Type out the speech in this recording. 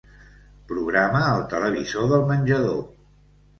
Programa el televisor del menjador.